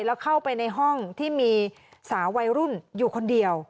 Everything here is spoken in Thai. แล้วเข้าไปในห้องที่มีสาววัยรุ่นอยู่คนเดียว